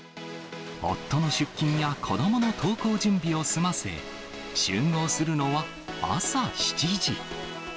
夫の出勤や子どもの登校準備を済ませ、集合するのは朝７時。